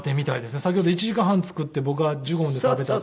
先ほど１時間半作って僕が１５分で食べたっていう。